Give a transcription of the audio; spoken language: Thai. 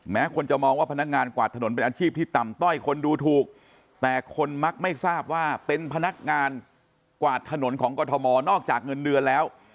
คนจะมองว่าพนักงานกวาดถนนเป็นอาชีพที่ต่ำต้อยคนดูถูกแต่คนมักไม่ทราบว่าเป็นพนักงานกวาดถนนของกรทมนอกจากเงินเดือนแล้ว